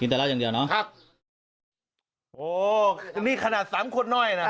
อย่างเดียวเนอะครับโอ้นี่ขนาดสามคนน่อยน่ะ